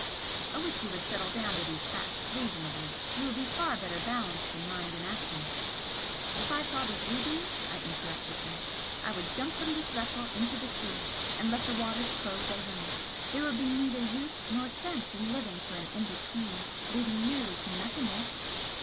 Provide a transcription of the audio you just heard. I wish you would settle down to these facts reasonably you would be far better balanced in mind and action " "If I thought as you do," I interrupted him "I would jump from this vessel into the sea and let the waters close over me! There would be neither use nor sense in living for an 'In Between' leading merely to nothingness."